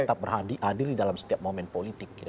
tetap adil di dalam setiap momen politik